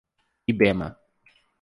Ibema